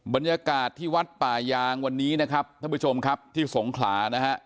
บรรยากาศที่วัดป่ายางวันนี้นะครับท่านผู้ชมครับที่สงขลานะฮะ